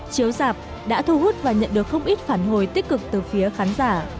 chiếu dạp đã thu hút và nhận được không ít phản hồi tích cực từ phía khán giả